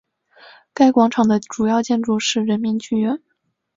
该广场的主要建筑是人民剧院。